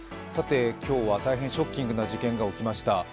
今日は大変ショッキングな事件が起きました。